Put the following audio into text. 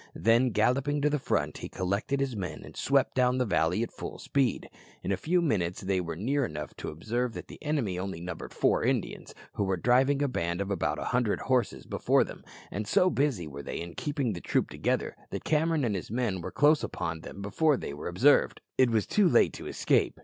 Then galloping to the front he collected his men and swept down the valley at full speed. In a few minutes they were near enough to observe that the enemy only numbered four Indians, who were driving a band of about a hundred horses before them, and so busy were they in keeping the troop together that Cameron and his men were close upon them before they were observed. It was too late to escape.